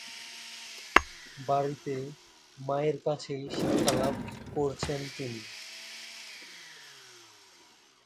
বাড়িতে মায়ের কাছেই শিক্ষালাভ করেছেন তিনি।